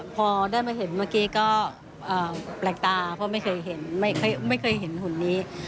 พอได้มาเห็นเมื่อกี้ก็แปลกตาเพราะไม่เคยเห็นไม่เคยเห็นหุ่นนี้